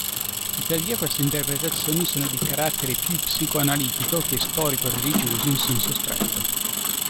Tuttavia queste interpretazioni sono di carattere più psicoanalitico che storico-religioso in senso stretto.